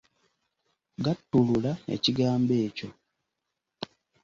Gattulula ekigambo ekyo.